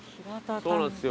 そうなんですよ。